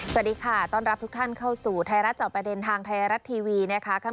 สวัสดีค่ะต้อนรับทุกท่านเข้ามาตริฐานที่๒ตุลาคม๒๕๖๑